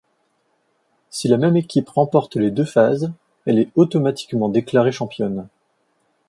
Si la même équipe remporte les deux phases, elle est automatiquement déclarée championne.